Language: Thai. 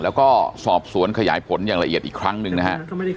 แล้วก็สอบสวนขยายผลอย่างละเอียดอีกครั้งหนึ่งนะฮะ